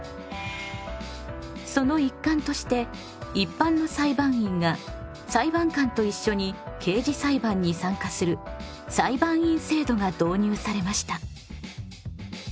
その一環として一般の裁判員が裁判官といっしょに刑事裁判に参加する裁判員制度が導入されました。